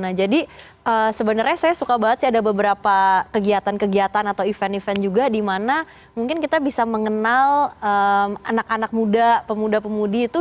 nah jadi sebenarnya saya suka banget sih ada beberapa kegiatan kegiatan atau event event juga dimana mungkin kita bisa mengenal anak anak muda pemuda pemudi itu